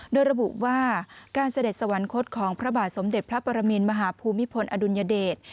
โดยระบุว่าการเสด็จสวรรคตของพระบาทสมเด็จพระปรมินมหาภูมิพลอดุลยเดช